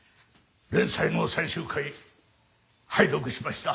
連載の最終回拝読しました。